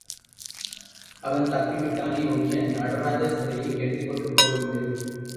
அவன் தப்பிவிட்டானே ஒழிய நடராஜர் சிலையை எடுத்துக்கொண்டு போகவில்லை.